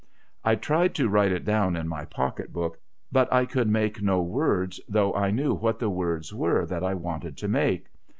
I tried to write it down in my pocket book, but could make no words, though I knew what the words were that I wanted to make.